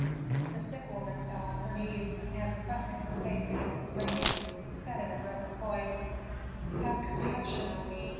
The sick woman fell on her knees, and pressing her face against the grating, said in a broken voice, "Have compassion on me!